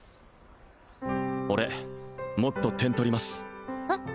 俺もっと点取りますえっ？